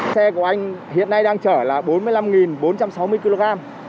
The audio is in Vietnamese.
xe của anh hiện nay đang chở là bốn mươi năm bốn trăm sáu mươi kg